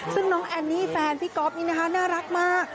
ซึ่งน้องแอนนี่แฟนพี่ก๊อฟนี่นะคะน่ารักมาก